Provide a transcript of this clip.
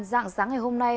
dạng sáng ngày hôm nay